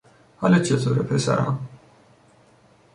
حالت چطوره، پسرم؟